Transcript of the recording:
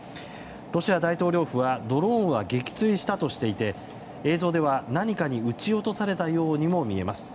ロシア大統領府はドローンは撃墜したとしていて映像では何かに撃ち落とされたようにも見えます。